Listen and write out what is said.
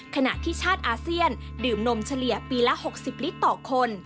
ขณะที่ชาติอาเซียนดื่มนมเฉลี่ยปีละ๖๐ลิตรต่อคน